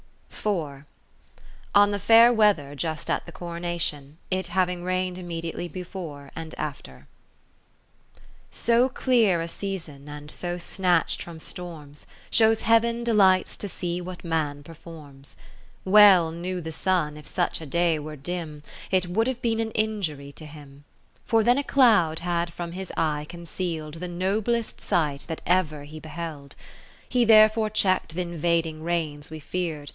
On the Fair Weather just at the Coronation, it havino; rained immediately before and after So clear a season, and so snatch'd from storms, Shows Heav'n delights to see what man performs. Well knew the Sun, if such a day were dim, (509 ) It would have been an injury to him : For then a cloud had from his eye conceal'd The noblest sight that ever he beheld. He therefore check'd th' invading rains we fear'd.